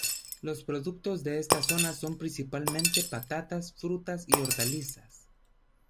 Los productos de esta zona son principalmente patatas, frutas y hortalizas.